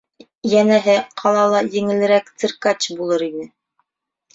Йәнәһе, ҡалала еңелерәк циркач булыр ине.